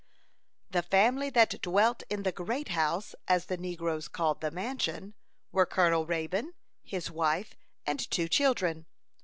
The family that dwelt in the "great house," as the negroes called the mansion, were Colonel Raybone, his wife, and two children.